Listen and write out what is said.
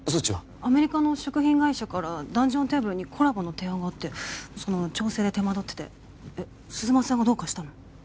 アメリカの食品会社からダンジョンテーブルにコラボの提案があってその調整で手間取っててえっ鈴間さんがどうかしたの？